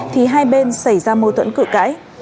thì hai bên xảy ra mâu thuẫn cử cãi